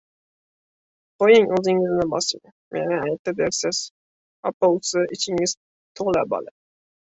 Qo‘ying, o‘zingizni bosing. Meni aytdi dersiz, opovsi, ichingiz to‘la bola.